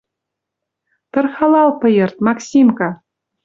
«Тырхалал пыйырт, Максимка